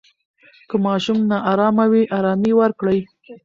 که ماشوم نا آرامه وي، آرامۍ ورکړئ.